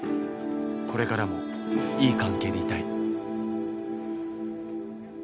これからも、いい関係でいたい」。